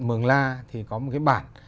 mường la thì có một cái bản